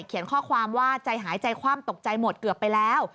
เขียนข้อความว่าใจหายใจคว่ำตกใจหมดเกือบไปแล้ว